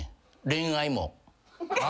恋愛も。